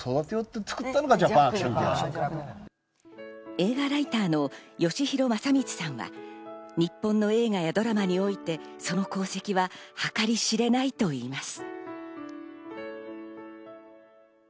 映画ライターのよしひろまさみちさんは日本の映画やドラマにおいて、その功績は計り知れないといいます。